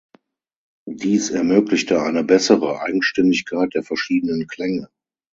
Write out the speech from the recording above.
Dies ermöglichte eine bessere Eigenständigkeit der verschiedenen Klänge.